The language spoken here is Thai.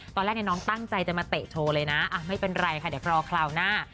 ตอนแรกน้องตั้งใจจะมาเตะโชว์เลยนะไม่เป็นไรค่ะเดี๋ยวรอคราวหน้า